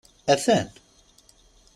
Attan!